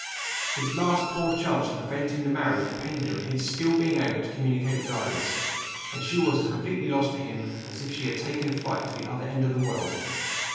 His last poor chance of preventing the marriage depended on his being still able to communicate with Iris and she was as completely lost to him as if she had taken flight to the other end of the world.